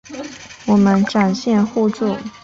我们展现互助